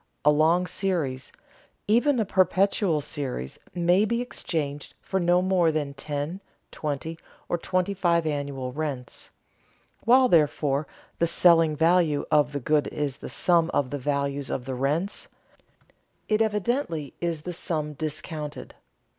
A long series, even a perpetual series, may be exchanged for no more than ten, twenty, or twenty five annual rents. While therefore the selling value of the good is the sum of the values of the rents, it evidently is that sum discounted.